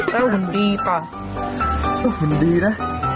แล้วหุ่นดีป่ะก็หุ่นดีนะ